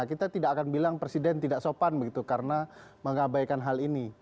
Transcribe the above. kita tidak akan bilang presiden tidak sopan begitu karena mengabaikan hal ini